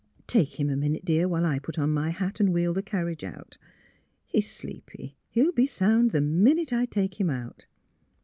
" Take him a minute, dear, while I put on my hat and wheel the carriage out. He's sleepy; he'll be sound the minute I take him out."